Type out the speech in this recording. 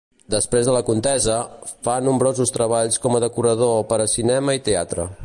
Després de la contesa, fa nombrosos treballs com a decorador per a cinema i teatre.